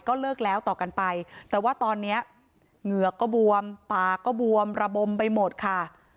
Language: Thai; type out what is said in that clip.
เลิกแล้วต่อกันไปแต่ว่าตอนนี้เหงือกก็บวมปากก็บวมระบมไปหมดค่ะ